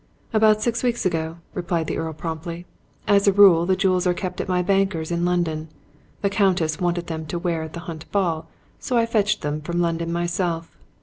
"About six weeks ago," replied the Earl promptly. "As a rule the jewels are kept at my bankers in London. The Countess wanted them to wear at the Hunt Ball, so I fetched them from London myself.